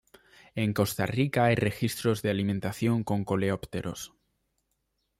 En Costa Rica hay registros de alimentación con coleópteros.